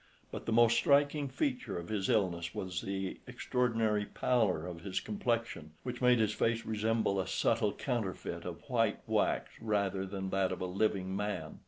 But the most striking feature of his illness was the extraordinary pallor of his complexion, which made his face resemble a subtle counterfeit of white wax rather than that of a living man.